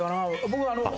僕あの。